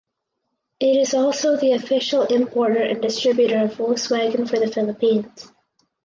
It is also the official importer and distributor of Volkswagen for the Philippines.